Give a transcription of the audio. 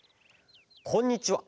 こんにちは。